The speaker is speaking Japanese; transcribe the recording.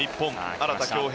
荒田恭兵